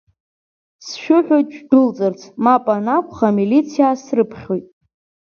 Сшәыҳәоит шәдәылҵырц, мап анакәха амилициа срыԥхьоит…